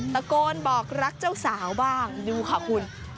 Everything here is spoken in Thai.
ตะโกนบอกรักเจ้าสาวบ้างดูค่ะคุณ